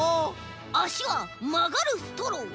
あしはまがるストロー。